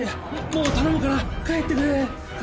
もう頼むから帰ってくれ！